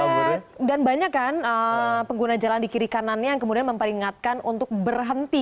iya dan banyak kan pengguna jalan di kiri kanannya yang kemudian memperingatkan untuk berhenti